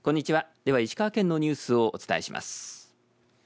では石川県のニュースをお伝えします。